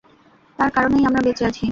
তার কারণেই আমরা বেঁচে আছি।